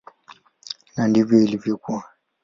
Na ndivyo ilivyokuwa.